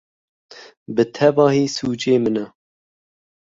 Bi tevahî sûcê min e!